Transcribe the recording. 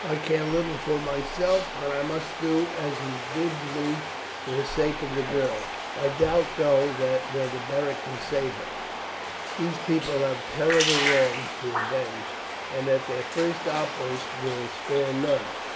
I care little for myself, but I must do as he bids me for the sake of the girl. I doubt, though whether Beric can save her. These people have terrible wrongs to avenge, and at their first outburst will spare none.